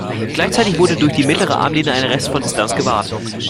Gleichzeitig wurde durch die mittlere Armlehne ein Rest von Distanz gewahrt.